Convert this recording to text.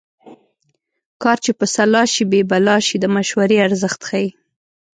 کار چې په سلا شي بې بلا شي د مشورې ارزښت ښيي